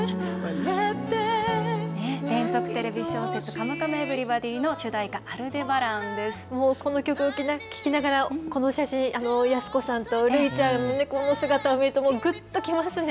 連続テレビ小説、カムカムエヴリバディの主題歌、もうこの曲を聴きながら、この写真、安子さんとるいちゃんの、この姿を見ると、もうぐっときますね。